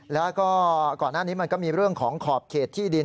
แล้วก็ก่อนหน้านี้มันก็มีเรื่องของขอบเขตที่ดิน